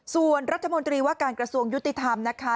ส่วนรัฐมนตรีว่าการกระทรวงยุติธรรมนะคะ